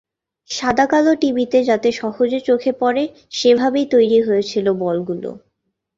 সাদা-কালো টিভিতে যাতে সহজে চোখে পড়ে সেভাবেই তৈরি হয়েছিল বলগুলো।